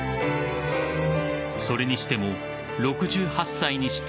それにしても、６８歳にして